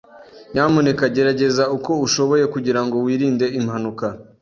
Nyamuneka gerageza uko ushoboye kugirango wirinde impanuka.